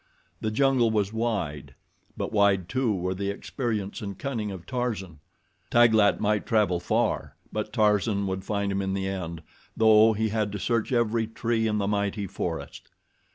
The jungle was wide; but wide too were the experience and cunning of Tarzan. Taglat might travel far; but Tarzan would find him in the end, though he had to search every tree in the mighty forest.